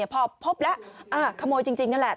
พอพบแล้วขโมยจริงนั่นแหละ